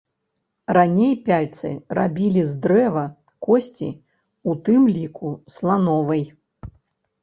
Раней пяльцы рабілі з дрэва, косці, у тым ліку слановай.